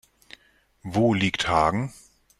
Wo liegt Hagen?